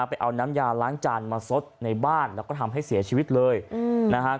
ไปเอาน้ำยาล้างจานมาซดในบ้านแล้วก็ทำให้เสียชีวิตเลยนะฮะ